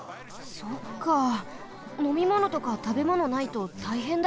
そっかのみものとかたべものないとたいへんだよね。